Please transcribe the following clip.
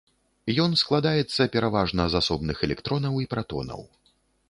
Ён складаецца пераважна з асобных электронаў і пратонаў.